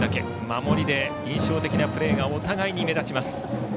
守りで印象的なプレーがお互いに目立ちます。